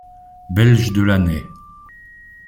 Belge de l'année.